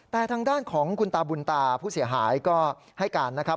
แต่ทางด้านของคุณตาบุญตาผู้เสียหายก็ให้การนะครับ